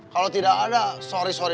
kalau tidak ada sorry sorr